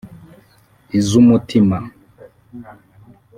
iz’umutima